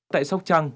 tại sóc trăng